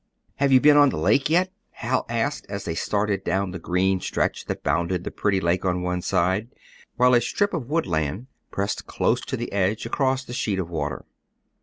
"Have you been on the lake yet?" Hal asked, as they started down the green stretch that bounded the pretty lake on one side, while a strip of woodland pressed close to the edge across the sheet of water.